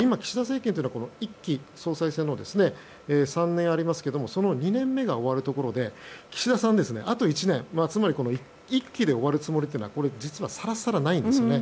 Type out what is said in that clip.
今、岸田政権は１期が３年ありますがその２年目が終わるところで岸田さん、あと１年つまり１期で終わるつもりというのは実はさらさらないんですね。